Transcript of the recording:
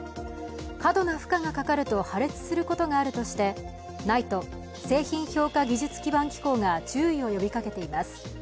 過度な負荷がかかると破裂することがあるとして、ＮＩＴＥ＝製品評価技術基盤機構が注意を呼びかけています。